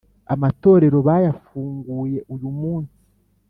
amatorero bayafunguye uyu munsi